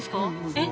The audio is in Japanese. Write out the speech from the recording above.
えっ？